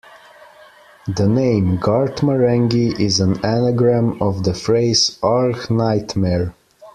The name "Garth Marenghi" is an anagram of the phrase "argh nightmare.